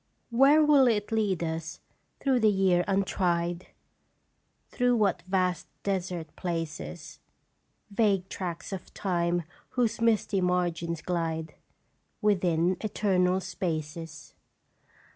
"Where will it lead us through the year untried, Through what vast desert places, Vague tracts of time whose misty margins glide Within eternal spaces?